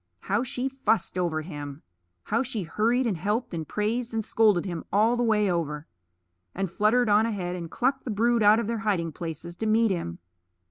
How she fussed over him! How she hurried and helped and praised and scolded him all the way over; and fluttered on ahead, and clucked the brood out of their hiding places to meet him!